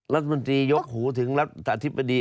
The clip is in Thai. รัฐมนตรียกหูถึงรัฐอธิบดี